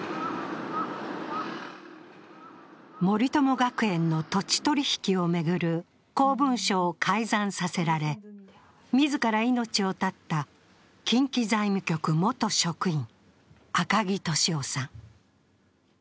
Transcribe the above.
森友学園の土地取引を巡る公文書を改ざんさせられ、自ら命を絶った近畿財務局元職員、赤木俊夫さん。